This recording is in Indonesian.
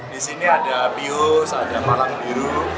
di sini ada pius ada malam biru